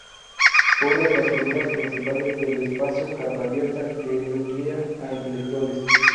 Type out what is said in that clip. Fue uno de las figuras principales del Espacio Carta Abierta, que nuclea a intelectuales.